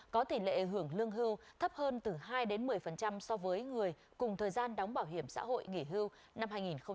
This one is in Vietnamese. có tỷ lệ hưởng lương hưu thấp hơn từ hai đến một mươi so với người cùng thời gian đóng bảo hiểm xã hội nghỉ hưu năm hai nghìn một mươi chín